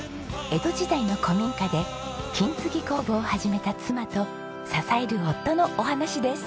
江戸時代の古民家で金継ぎ工房を始めた妻と支える夫のお話です。